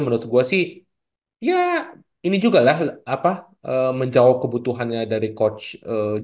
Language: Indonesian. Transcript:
menurut gua sih ya ini juga lah apa menjauh kebutuhannya dari kompetisi dan juga kemudian